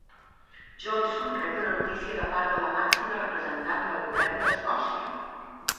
Johnson rep una notícia de part de la màxima representant del govern d'Escòcia